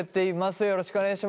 よろしくお願いします。